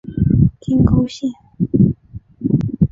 金沟线